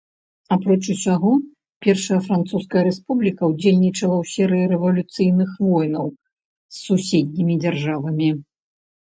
Апроч усяго першая французская рэспубліка ўдзельнічала ў серыі рэвалюцыйных войнаў з суседнімі дзяржавамі.